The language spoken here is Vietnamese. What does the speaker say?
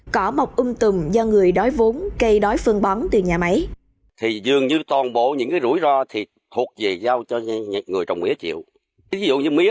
cỏ mọc ung tùm do người đói vốn cây đói phương bóng từ nhà máy